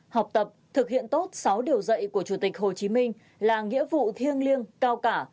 học tập thực hiện tốt sáu điều dạy của chủ tịch hồ chí minh là nghĩa vụ thiêng liêng cao cả